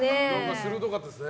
鋭かったですね。